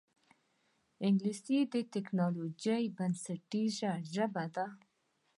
انګلیسي د ټکنالوجۍ بنسټیزه ژبه ده